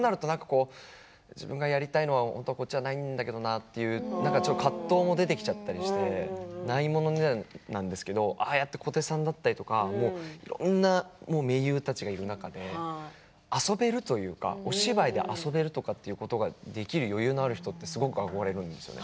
そうなると自分がやりたいのはこっちじゃないんだよな、みたいなことも出てきちゃったりしてないものねだりなんですけど小手さんだったりとかいろいろな名優たちがいる中で遊べるというかお芝居で遊べるとかいうことができる余裕のある人ってすごく憧れるんですよ。